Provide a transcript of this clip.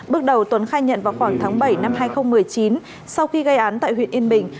bước đầu tuấn khai nhận vào khoảng tháng bảy năm hai nghìn một mươi chín sau khi gây án tại huyện yên bình